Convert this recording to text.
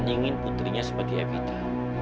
dan ingin putrinya seperti evita